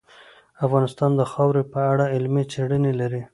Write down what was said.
افغانستان د خاوره په اړه علمي څېړنې لري.